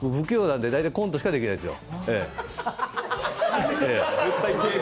不器用なんで、大体コントしかできないですよ。